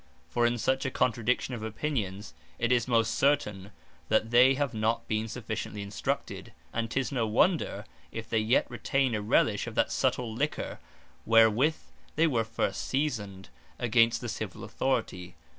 For in such a contradiction of Opinions, it is most certain, that they have not been sufficiently instructed; and 'tis no wonder, if they yet retain a relish of that subtile liquor, wherewith they were first seasoned, against the Civill Authority.